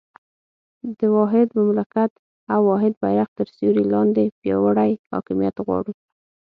د واحد مملکت او واحد بېرغ تر سیوري لاندې پیاوړی حاکمیت غواړو.